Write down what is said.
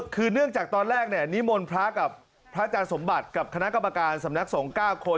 คือเนื่องจากตอนแรกนิมนต์พระกับพระอาจารย์สมบัติกับคณะกรรมการสำนักสงฆ์๙คน